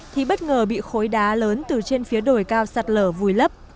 thì bất ngờ bị khối đá lớn từ trên phía đồi cao sạt lở vùi lấp